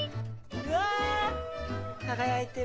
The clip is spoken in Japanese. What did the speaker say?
うわ！輝いてる。